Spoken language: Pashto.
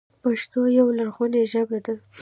پښتو یوه لرغونې ژبه ده.